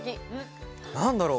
何だろう？